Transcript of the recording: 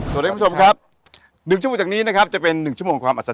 สวัสดีคุณพระชมครับ